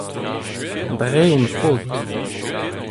dre hon faot.